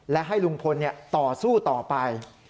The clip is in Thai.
และให้ลุงพลต่อสู้ต่อไป